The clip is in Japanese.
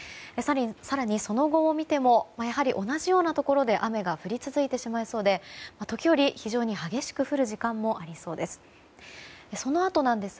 更に、その後を見てもやはり同じようなところで雨が降り続いてしまいそうで時折、非常に激しく降る時間もありそうです。